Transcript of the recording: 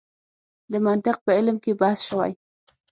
د منطق په علم کې بحث شوی.